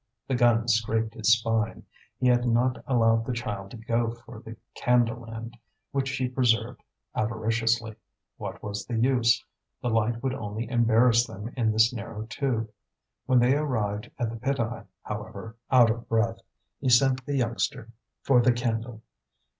The gun scraped his spine; he had not allowed the child to go for the candle end, which he preserved avariciously. What was the use? The light would only embarrass them in this narrow tube. When they arrived at the pit eye, however, out of breath, he sent the youngster for the candle.